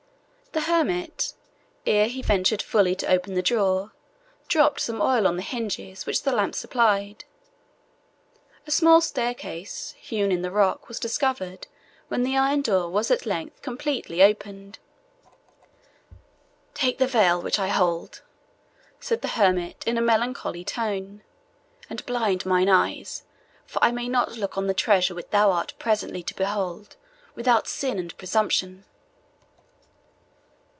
The hermit, ere he ventured fully to open the door, dropped some oil on the hinges, which the lamp supplied. A small staircase, hewn in the rock, was discovered, when the iron door was at length completely opened. "Take the veil which I hold," said the hermit, in a melancholy tone, "and blind mine eyes; For I may not look on the treasure which thou art presently to behold, without sin and presumption."